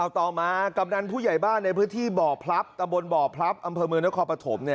ต่อมากำนันผู้ใหญ่บ้านในพื้นที่บ่อพลับตะบนบ่อพลับอำเภอเมืองนครปฐม